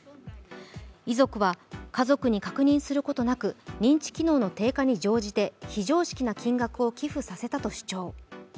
遺族は、家族に確認することなく認知機能の低下に乗じて非常識な金額を寄付させたと主張。